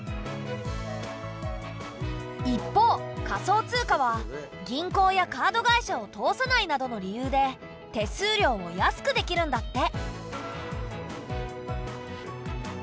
一方仮想通貨は銀行やカード会社を通さないなどの理由で手数料を安くできるんだって。